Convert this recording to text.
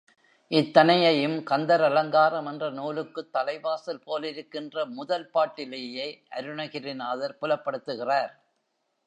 இத்தனையையும் கந்தர் அலங்காரம் என்ற நூலுக்குத் தலைவாசல் போலிருக்கின்ற முதல் பாட்டிலேயே அருணகிரிநாதர் புலப்படுத்துகிறார்.